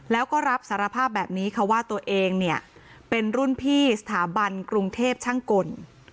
แล้วก็รับสารภาพแบบนี้ค่ะว่าตัวเองเนี่ยเป็นรุ่นพี่สถาบันกรุงเทพช่างกล